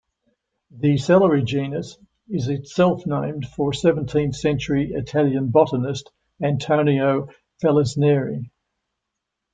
The celery genus is itself named for seventeenth century Italian botanist Antonio Vallisneri.